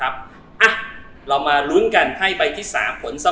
อ้าเรามารุ้นกันไพ่ไพ่ที่สามผลเสมอ